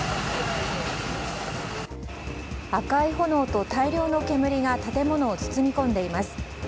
赤い炎と大量の煙が建物を包み込んでいます。